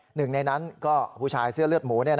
หนึ่งในนั้นก็ผู้ชายเสื้อเลือดหมู